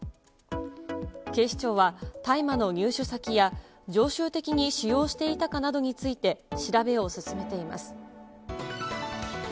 警視庁は大麻の入手先や、常習的に使用していたかなどについて、お？